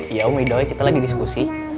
ya om idoy kita lagi diskusi